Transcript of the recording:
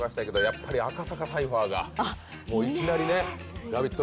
やっぱり赤坂サイファーがいきなりＬＯＶＥＩＴ！